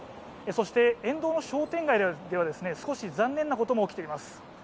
そして、沿道の商店街では少し残念なことも起きています。